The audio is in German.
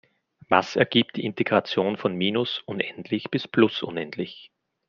Was ergibt die Integration von minus unendlich bis plus unendlich?